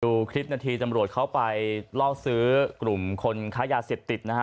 ดูคลิปนาทีตำรวจเข้าไปล่อซื้อกลุ่มคนค้ายาเสพติดนะฮะ